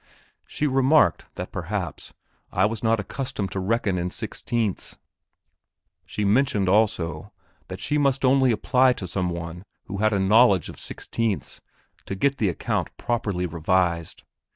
She remarked that perhaps I was not accustomed to reckon in sixteenths; she mentioned also that she must only apply to some one who had a knowledge of sixteenths, to get the account properly revised.